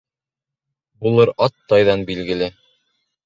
Булыр ат тайҙан билгеле